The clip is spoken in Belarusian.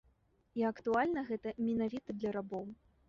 І актуальна гэта менавіта для рабоў.